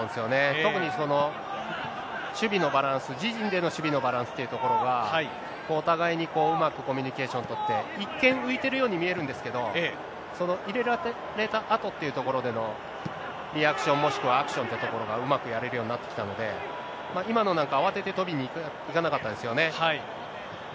特に守備のバランス、自陣での守備のバランスというところが、お互いにうまくコミュニケーション取って、一見、浮いてるように見えるんですけど、その入れられたあとっていうところでのリアクション、もしくはアクションというところが、うまくやれるようになってきたので、今のなんか、慌てて取りに行かなかったですよね。